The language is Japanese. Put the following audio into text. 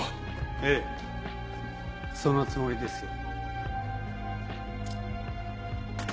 ええそのつもりですよ。